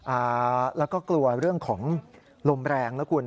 อ่าแล้วก็กลัวเรื่องของลมแรงนะคุณ